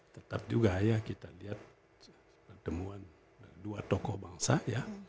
tetap juga ya kita lihat pertemuan dua tokoh bangsa ya